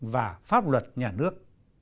và pháp luật nhà nước